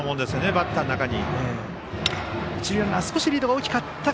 バッターの中に。